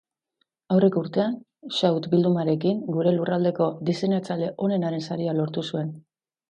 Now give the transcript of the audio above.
Aurreko urtean shout bildumarekin gure lurraldeko diseinatzaile onenaren saria lortu zuen.